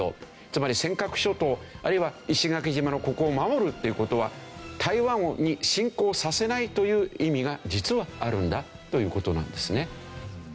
つまり尖閣諸島あるいは石垣島のここを守るっていう事は台湾に侵攻させないという意味が実はあるんだという事なんですね。